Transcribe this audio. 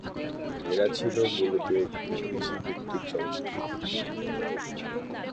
এরা ছিল মূলত একটি কৃষিভিত্তিক সংস্কৃতি।